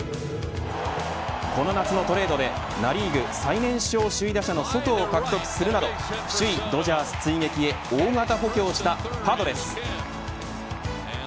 この夏のトレードでナ・リーグ最年少首位打者のソトを獲得するなど首位ドジャース追撃へ大型補強したパドレス。